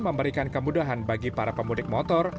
memberikan kemudahan bagi para pemudik motor